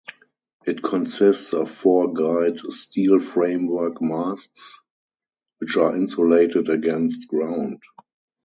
It consists of four guyed steel framework masts, which are insulated against ground.